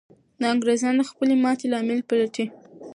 انګریزان د خپلې ماتې لامل پلټي.